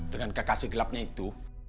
dengan kekasih gelapnya itu